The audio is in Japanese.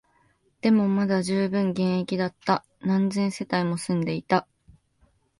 でも、まだ充分現役だった、何千世帯も住んでいた